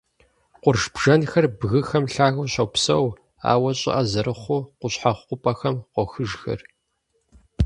Къурш бжэнхэр бгыхэм лъагэу щопсэу, ауэ щӀыӀэ зырыхъуу, къущхьэхъу хъупӀэхэм къохыжхэр.